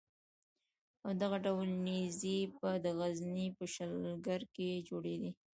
او دغه ډول نېزې به د غزني په شلګر کې جوړېدې.